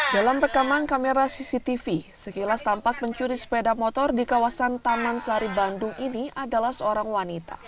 dalam rekaman kamera cctv sekilas tampak pencuri sepeda motor di kawasan taman sari bandung ini adalah seorang wanita